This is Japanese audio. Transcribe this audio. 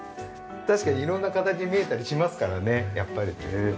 確かに色んな形に見えたりしますからねやっぱり。